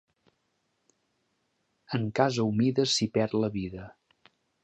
En casa humida s'hi perd la vida.